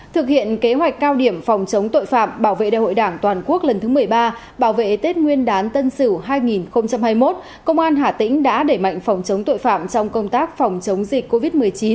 thực hiện kế hoạch cao điểm phòng chống tội phạm bảo vệ đại hội đảng toàn quốc lần thứ một mươi ba bảo vệ tết nguyên đán tân sửu hai nghìn hai mươi một công an hà tĩnh đã đẩy mạnh phòng chống tội phạm trong công tác phòng chống dịch covid một mươi chín